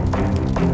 gak mau kali